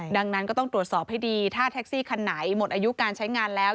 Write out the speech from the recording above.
ดังนั้นก็ต้องตรวจสอบให้ดีถ้าแท็กซี่คันไหนหมดอายุการใช้งานแล้ว